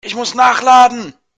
Ich muss nachladen.